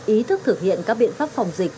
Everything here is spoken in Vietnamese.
ý thức thực hiện các biện pháp phòng dịch